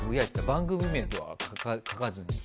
番組名書かずに。